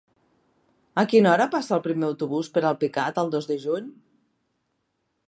A quina hora passa el primer autobús per Alpicat el dos de juny?